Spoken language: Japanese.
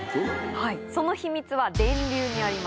はいその秘密は電流にあります。